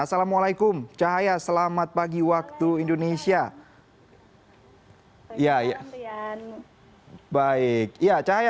assalamualaikum cahaya selamat pagi waktu indonesia